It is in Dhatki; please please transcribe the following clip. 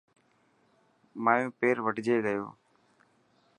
مايو پير وڍجي گيو.